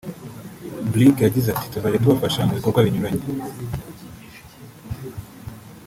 Barick yagize ati “ Tuzajya tubafasha mu bikorwa binyuranye